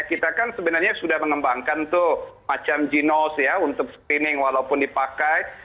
kita kan sebenarnya sudah mengembangkan tuh macam ginos ya untuk screening walaupun dipakai